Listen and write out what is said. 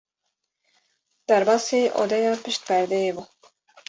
Derbasî odeya pişt perdeyê bû.